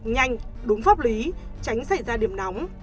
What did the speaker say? nhanh đúng pháp lý tránh xảy ra điểm nóng